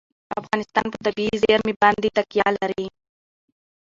افغانستان په طبیعي زیرمې باندې تکیه لري.